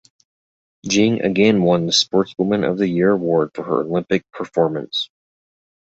Jing again won the Sportswoman of the Year award for her Olympic performance.